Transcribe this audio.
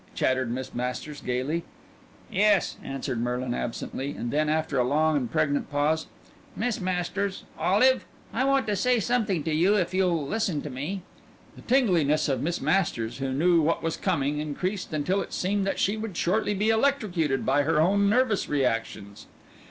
chattered Miss Masters gaily. "Yes," answered Merlin absently; and then, after a long and pregnant pause: "Miss Masters Olive I want to say something to you if you'll listen to me." The tingliness of Miss Masters (who knew what was coming) increased until it seemed that she would shortly be electrocuted by her own nervous reactions.